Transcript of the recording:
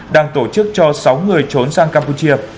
đang tổ chức cho sáu người trốn sang campuchia